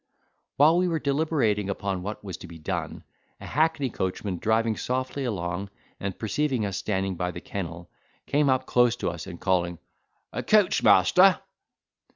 While we were deliberating upon what was to be done, a hackney coachman, driving softly along, and perceiving us standing by the kennel, came up close to us, and calling, "A coach, master!"